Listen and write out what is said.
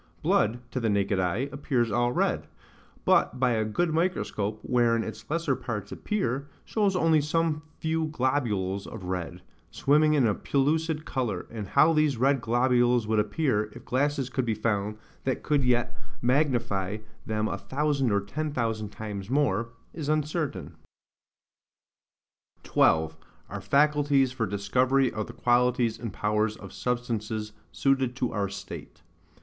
Blood, to the naked eye, appears all red; but by a good microscope, wherein its lesser parts appear, shows only some few globules of red, swimming in a pellucid liquor, and how these red globules would appear, if glasses could be found that could yet magnify them a thousand or ten thousand times more, is uncertain. 12. Our Faculties for Discovery of the Qualities and powers of Substances suited to our State.